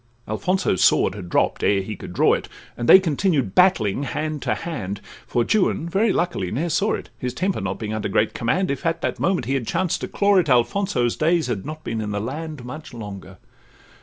Alfonso's sword had dropp'd ere he could draw it, And they continued battling hand to hand, For Juan very luckily ne'er saw it; His temper not being under great command, If at that moment he had chanced to claw it, Alfonso's days had not been in the land Much longer.